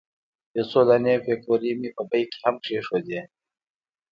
یو څو دانې پیکورې مې په بیک کې هم کېښودې.